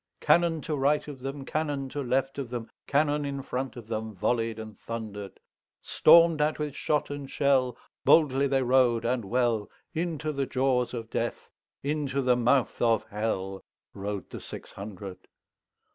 Cannon to right of them, Cannon to left of them, Cannon in front of themVolley'd and thunder'd; Storm'd at with shot and shell, Boldly they rode and well, Into the jaws of Death, Into the mouth of HellRode the six hundred.